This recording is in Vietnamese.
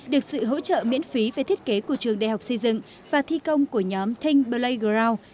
được sự hỗ trợ miễn phí về thiết kế của trường đại học xây dựng và thi công của nhóm think playground